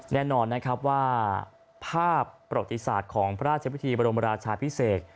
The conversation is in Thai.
แน่นอนนะครับว่าภาพประวัติศาสตร์ของพระราชพิธีบรมราชาพิเศษ